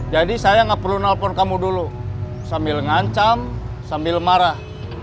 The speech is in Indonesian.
jadi saya gak perlu nelfon kamu dulu sambil ngancam sambil marah